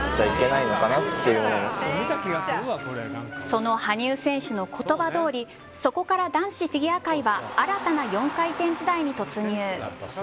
その羽生選手の言葉どおりそこから男子フィギュア界は新たな４回転時代に突入。